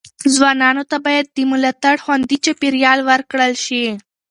ځوانانو ته باید د ملاتړ خوندي چاپیریال ورکړل شي.